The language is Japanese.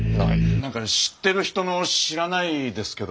なんか知ってる人の知らないですけど。